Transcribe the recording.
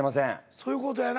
そういう事やな。